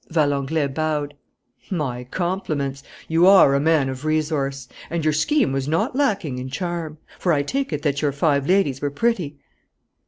Valenglay bowed. "My compliments! You are a man of resource. And your scheme was not lacking in charm. For I take it that your five ladies were pretty?"